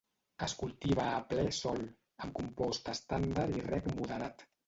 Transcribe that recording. Es cultiva a ple sol, amb compost estàndard i reg moderat.